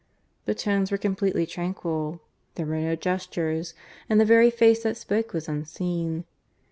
The tones were completely tranquil, there were no gestures, and the very face that spoke was unseen.